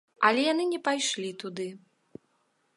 Але яны не пайшлі туды.